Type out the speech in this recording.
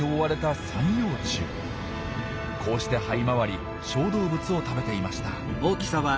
こうしてはい回り小動物を食べていました。